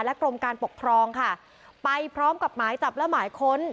กรมการปกครองค่ะไปพร้อมกับหมายจับและหมายค้น